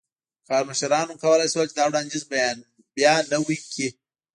کارمشرانو کولای شول چې دا وړاندیز بیا نوی کړي.